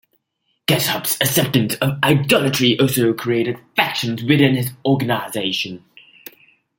Keshub's acceptance of idolatry also created factions within his organization.